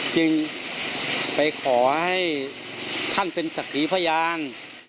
จึงไปขอให้ท่านเป็นศักดิ์พยาน